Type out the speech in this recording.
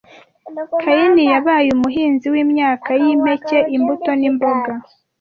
Kayini yabaye umuhinzi w’imyaka y’impeke, imbuto n’imboga